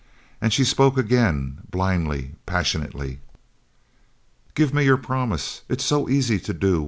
And she spoke again, blindly, passionately. "Give me your promise! It is so easy to do.